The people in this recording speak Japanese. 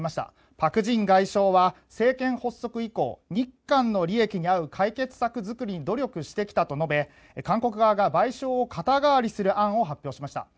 パク・ジン外相は政権発足以降日韓の利益に合う解決策作りに努力してきたと述べ韓国側が賠償を肩代わりする案を発表しました。